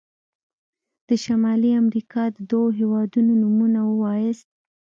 د شمالي امريکا د دوه هيوادونو نومونه ووایاست.